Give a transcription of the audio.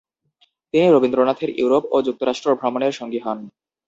তিনি রবীন্দ্রনাথের ইউরোপ ও যুক্তরাষ্ট্র ভ্রমণের সঙ্গী হন।